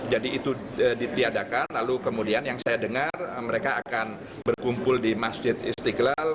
jadi itu ditiadakan lalu kemudian yang saya dengar mereka akan berkumpul di masjid istiqlal